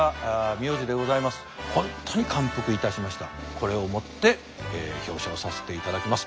これをもって表彰させていただきます。